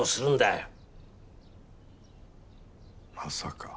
まさか。